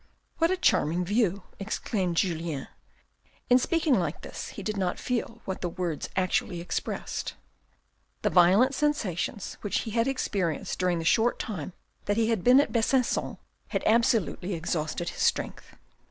"What a charming view !" exclaimed Julien. In speaking like this he did not feel what the words actually expressed. The violent sensations which he had experienced during the short time that he had been at Besanc_on had absolutely exhausted his strength.